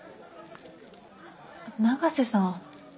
永瀬さん。